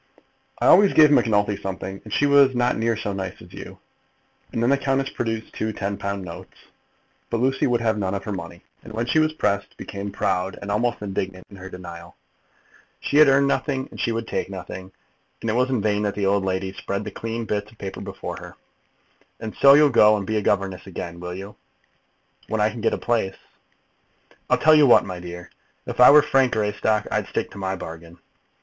"I always gave Macnulty something, and she was not near so nice as you." And then the countess produced two ten pound notes. But Lucy would have none of her money, and when she was pressed, became proud and almost indignant in her denial. She had earned nothing, and she would take nothing; and it was in vain that the old lady spread the clean bits of paper before her. "And so you'll go and be a governess again; will you?" "When I can get a place." "I'll tell you what, my dear. If I were Frank Greystock, I'd stick to my bargain."